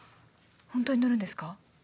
本当に乗るんですか？